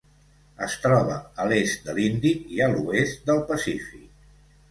Es troba a l'est de l'Índic i a l'oest del Pacífic.